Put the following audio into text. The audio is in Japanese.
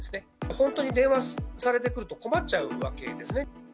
本当に電話されてくると困っちゃうわけですね。